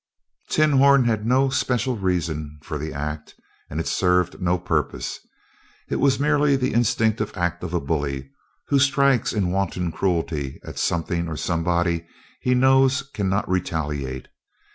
"Tinhorn" had no special reason for the act and it served no purpose; it was merely the instinctive act of the bully who strikes in wanton cruelty at something or somebody he knows cannot retaliate.